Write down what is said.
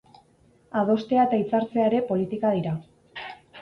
Adostea eta hitzartzea ere politika dira.